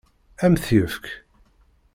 Ad m-t-yefk?